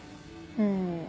うん。